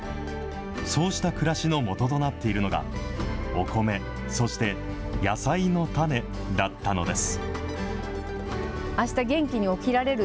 そうした暮らしの基となっているのが、お米、そして野菜の種だったのです。